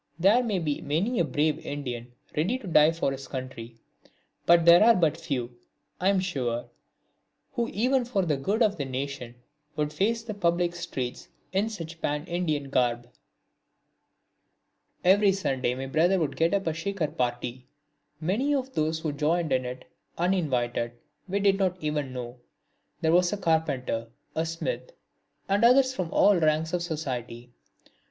There may be many a brave Indian ready to die for his country, but there are but few, I am sure, who even for the good of the nation would face the public streets in such pan Indian garb. Every Sunday my brother would get up a Shikar party. Many of those who joined in it, uninvited, we did not even know. There was a carpenter, a smith and others from all ranks of society.